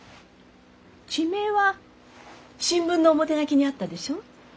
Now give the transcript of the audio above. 地名は新聞の表書きにあったでしょ？